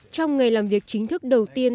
trong ngày làm việc chính thức đầu tiên